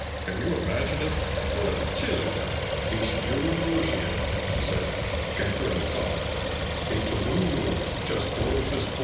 "Can you imachine it? What a chiseler! "'De shiyooch'iid,' he said, 'can't really talk; de tllooll just t'rows his voice!'"